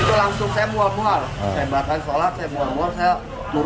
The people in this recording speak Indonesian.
keluar keluar anak keluarga saya selalu keluar